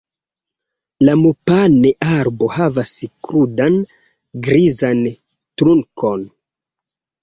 La mopane-arbo havas krudan, grizan trunkon.